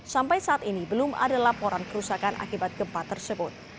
sampai saat ini belum ada laporan kerusakan akibat gempa tersebut